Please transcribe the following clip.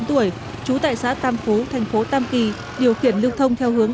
trú tại xã tâm phú thành phố tâm kỳ điều khiển lưu thông theo hướng